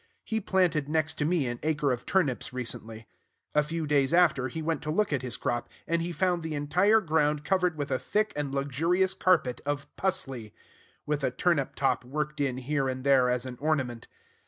He planted next to me an acre of turnips recently. A few days after, he went to look at his crop; and he found the entire ground covered with a thick and luxurious carpet of "pusley," with a turnip top worked in here and there as an ornament.